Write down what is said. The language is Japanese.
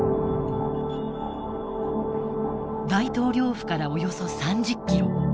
大統領府からおよそ３０キロ